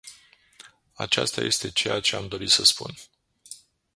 Aceasta este ceea ce am dorit să spun.